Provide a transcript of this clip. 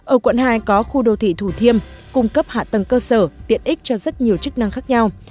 ở quận hai có khu đô thị thủ thiêm cung cấp hạ tầng cơ sở tiện ích cho rất nhiều chức năng khác nhau